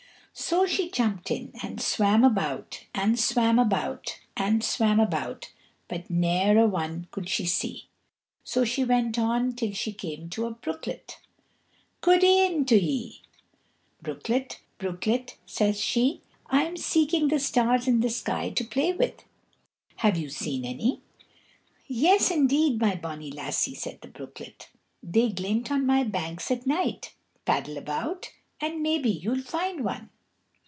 So she jumped in, and swam about and swam about and swam about, but ne'er a one could she see. So she went on till she came to a brooklet. "Goode'en to ye, Brooklet, Brooklet," says she; "I'm seeking the stars in the sky to play with. Have you seen any?" "Yes, indeed, my bonny lassie," said the Brooklet. "They glint on my banks at night. Paddle about, and maybe you'll find one."